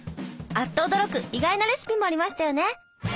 あっと驚く意外なレシピもありましたよね。